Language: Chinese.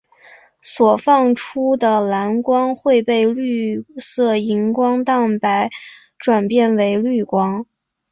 所放出的蓝光会被绿色荧光蛋白转变为绿光。